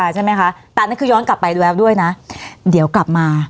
แต่ก็ย้อนกลับไปด้วยเดี๋ยวกลับมา